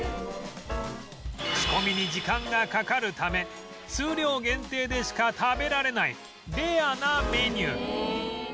仕込みに時間がかかるため数量限定でしか食べられないレアなメニュー